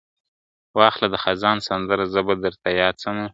واخله د خزان سندره زه به درته یاد سمه !.